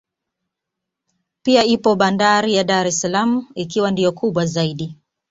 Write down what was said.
Pia ipo bandari ya Dar es salaam ikiwa ndiyo kubwa zaidi